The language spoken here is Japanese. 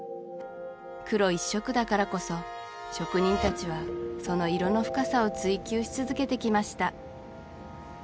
黒一色だからこそ職人達はその色の深さを追求し続けてきました